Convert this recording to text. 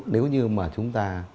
nếu như mà chúng ta